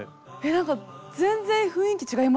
何か全然雰囲気違いますね。